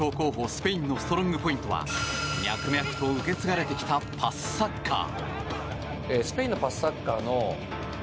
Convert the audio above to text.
スペインのストロングポイントは脈々と受け継がれてきたパスサッカー。